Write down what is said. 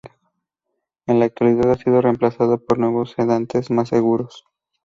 En la actualidad ha sido reemplazado por nuevos sedantes más seguros.